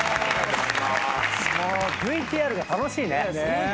もうＶＴＲが楽しいね。